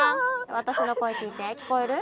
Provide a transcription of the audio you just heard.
私の声聞いて聞こえる？